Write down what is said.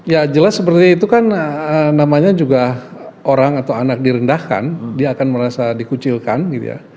ya jelas seperti itu kan namanya juga orang atau anak direndahkan dia akan merasa dikucilkan gitu ya